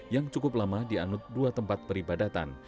yang cukup lama dianut dua tempat peribadatan